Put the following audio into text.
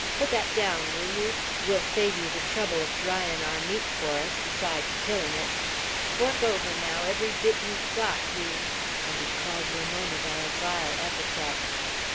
Put that down, will you? We'll save you the trouble of dryin' our meat for us, besides killin' it! Fork over, now, every bit you've got, you " And he called Ramona by a vile epithet.